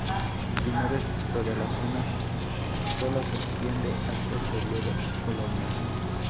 Primer registro de la zona sólo se extienden hasta el período colonial.